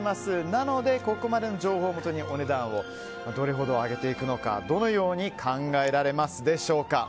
なので、ここまでの情報をもとにお値段をどれほど上げていくのかどのように考えらえますでしょうか。